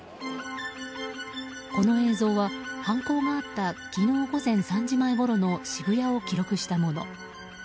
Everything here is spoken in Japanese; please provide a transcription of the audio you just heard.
この映像は、犯行があった昨日午前３時前ごろの渋谷を記録したもの。